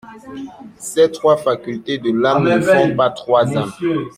Ces trois facultés de l'âme ne font pas trois âmes.